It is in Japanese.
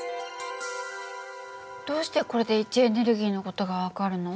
どうしてこれで位置エネルギーの事が分かるの？